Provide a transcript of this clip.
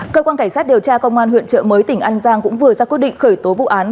cơ quan cảnh sát điều tra công an huyện trợ mới tỉnh an giang cũng vừa ra quyết định khởi tố vụ án